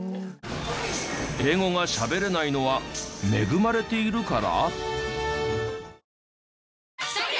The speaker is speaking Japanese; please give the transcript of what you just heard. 英語がしゃべれないのは恵まれているから？